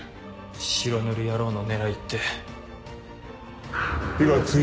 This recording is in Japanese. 白塗り野郎の狙いって。